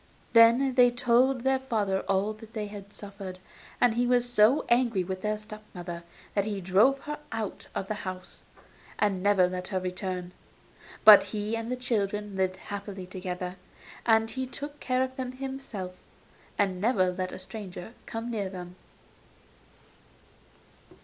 Then they told their father all that they had suffered, and he was so angry with their step mother that he drove her out of the house, and never let her return; but he and the children lived happily together; and he took care of them himself, and never let a stranger come near them.